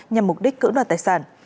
nhằm mục đích cử đoàn tài sản